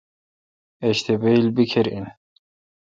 ایج تہ بییل بیکھر۔